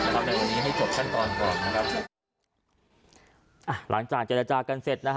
ในวันนี้ให้จบขั้นตอนก่อนนะครับอ่ะหลังจากเจรจากันเสร็จนะฮะ